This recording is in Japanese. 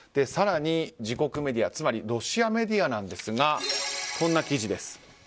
更に、自国メディアつまりロシアメディアなんですがこんな記事です。